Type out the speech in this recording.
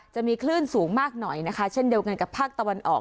จะมีคลื่นสูงมากหน่อยนะคะเช่นเดียวกันกับภาคตะวันออก